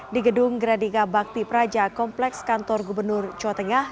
di gedung gradika bakti praja kompleks kantor gubernur jawa tengah